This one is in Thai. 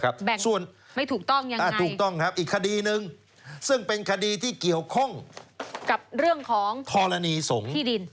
แบ่งไม่ถูกต้องอย่างไรอีกคดีหนึ่งซึ่งเป็นคดีที่เกี่ยวข้องกับเรื่องของทรณีสงศ์ที่ดิน